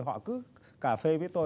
họ cứ cà phê với tôi